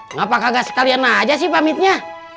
ngapak gak sekalian aja sih pamitnya